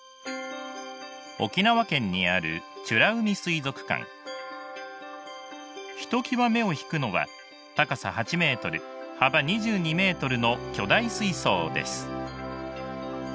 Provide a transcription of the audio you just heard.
沖縄県にあるひときわ目を引くのは高さ８ｍ幅２２ｍの巨大水槽です。